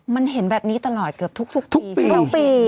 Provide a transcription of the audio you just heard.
มันเห็นแบบนี้ตลอดเกือบทุกปีทุกปี